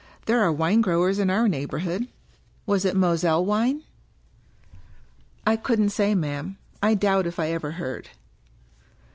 There are wine growers in our neighborhood. Was it Moselle wine ?"" I couldn't say, ma'am, I doubt if I ever heard."